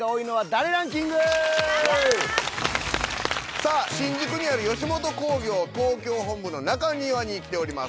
さあ新宿にある吉本興業東京本部の中庭に来ております。